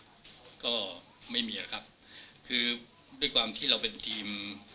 ก็ไม่มีครับคือด้วยความที่เราเป็นทีม